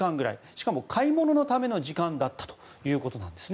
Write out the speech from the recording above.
しかも買い物のための時間だったということです。